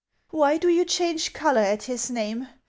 Why do you change color at his name